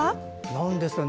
なんですかね。